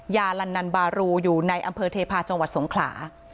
ยาลันนันบารูอยู่ในอำเภอเทพาะจังหวัดสงขลา